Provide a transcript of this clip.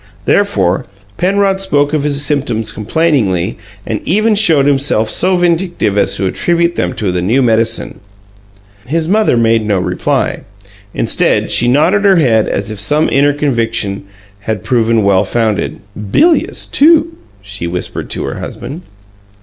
Therefore, Penrod spoke of his symptoms complainingly, and even showed himself so vindictive as to attribute them to the new medicine. His mother made no reply. Instead, she nodded her head as if some inner conviction had proven well founded. "BILIOUS, TOO," she whispered to her husband.